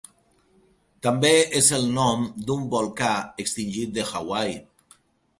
També és el nom d'un volcà extingit de Hawaii.